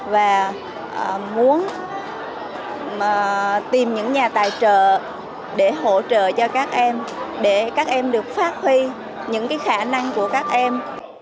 và muốn tìm những nhà tài trợ để hỗ trợ cho các em để các em được phát huy những khả năng của các em